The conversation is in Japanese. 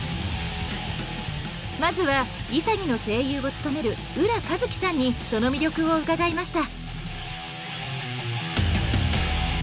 まずは潔の声優を務める浦和希さんにその魅力を伺いました。